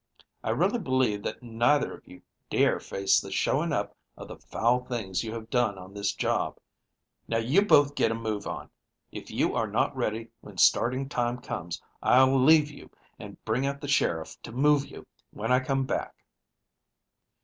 I really believe that neither of you dare face the showing up of the foul things you have done on this job. Now you both get a move on you. If you are not ready when starting time comes I'll leave you and bring out the sheriff to move you when I come back."